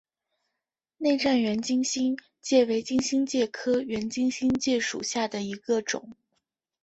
内战圆金星介为金星介科圆金星介属下的一个种。